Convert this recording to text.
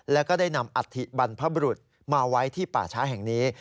แล้วก็ได้นำอัฐิบรรพบรุษมาไว้ที่ป่าช้าแห่งนี้